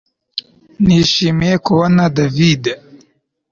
Nishimiye kubona David